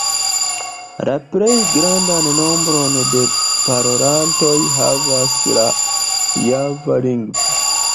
La plej grandan nombron de parolantoj havas la java lingvo.